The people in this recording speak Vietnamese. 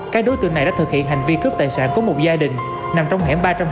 các đối tượng này đã thực hiện hành vi cướp tài sản của một gia đình nằm trong hẻm ba trăm hai mươi